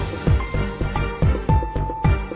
กินโทษส่องแล้วอย่างนี้ก็ได้